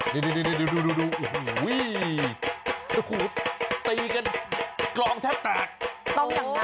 ตีกันกลองทับแตก